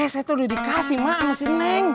saya tuh udah dikasih emang